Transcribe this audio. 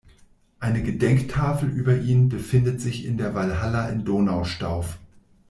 Eine Gedenktafel über ihn befindet sich in der Walhalla in Donaustauf.